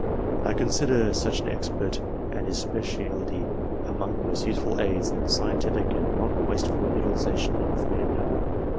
... I consider such an expert and his specialty among the most useful aids in the scientific and non wasteful utiliza tion of man power.